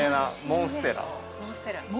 モンステラ？